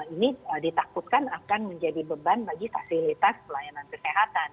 ini ditakutkan akan menjadi beban bagi fasilitas pelayanan kesehatan